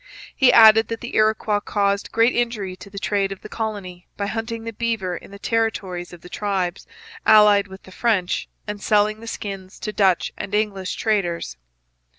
He added that the Iroquois caused great injury to the trade of the colony by hunting the beaver in the territories of the tribes allied with the French, and selling the skins to Dutch and English traders.